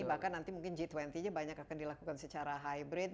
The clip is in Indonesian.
bahkan nanti mungkin g dua puluh nya banyak akan dilakukan secara hybrid